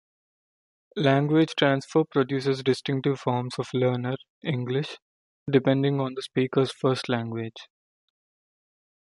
Language transfer produces distinctive forms of learner English, depending on the speaker's first language.